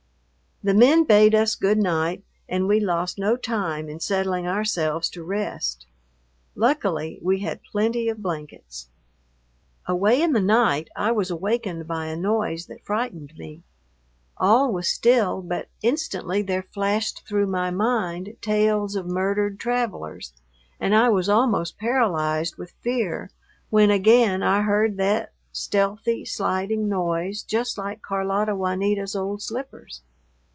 The men bade us good night, and we lost no time in settling ourselves to rest. Luckily we had plenty of blankets. Away in the night I was awakened by a noise that frightened me. All was still, but instantly there flashed through my mind tales of murdered travelers, and I was almost paralyzed with fear when again I heard that stealthy, sliding noise, just like Carlota Juanita's old slippers.